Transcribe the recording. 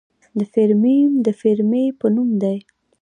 د فیرمیم د فیرمي په نوم دی.